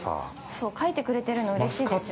◆そう、書いてくれてるの、うれしいですよね。